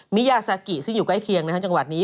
มิยาซากิซึ่งอยู่ใกล้เคียงจังหวัดนี้